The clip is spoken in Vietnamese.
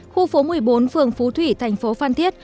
khu phố một mươi bốn phường phú thủy thành phố phan thiết